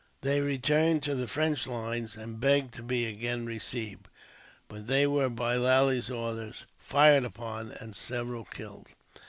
They returned to the French lines, and begged to be again received; but they were, by Lally's orders, fired upon, and several killed.